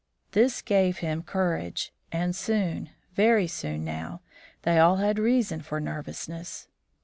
This gave him courage, and soon, very soon now, they all had reason for nervousness.